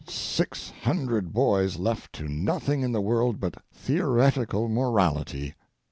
Six hundred boys left to nothing in the world but theoretical morality.